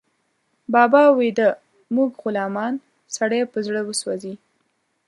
بابا ويده، موږ غلامان، سړی په زړه وسوځي